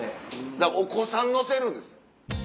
お子さん乗せるんです。